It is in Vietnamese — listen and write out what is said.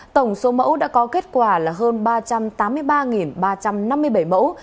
tổng số mẫu đã có kết quả là hơn ba trăm tám mươi ba ba trăm năm mươi bảy mẫu